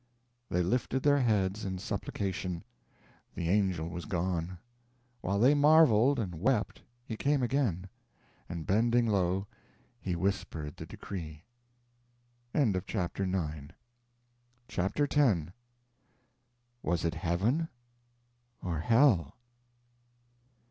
They lifted their heads in supplication. The angel was gone. While they marveled and wept he came again; and bending low, he whispered the decree. CHAPTER X Was it Heaven? Or Hell?